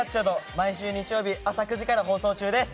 毎週日曜日、朝９時から放送中です！